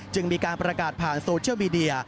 จึงมีการประกาศผ่านโซเชียลมีเดีย